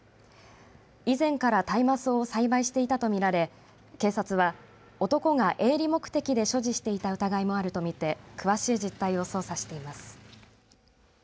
以前から大麻草を栽培していたとみられ警察は、男が営利目的で所持していた疑いもあるとみて詳しい実態を捜査しています。